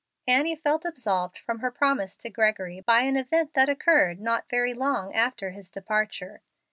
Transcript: Annie felt absolved from her promise to Gregory by an event that occurred not very long after his departure.